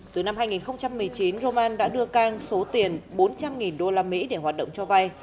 từ năm hai nghìn một mươi chín roman đã đưa cang số tiền bốn trăm linh usd